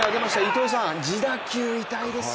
糸井さん、自打球痛いですか？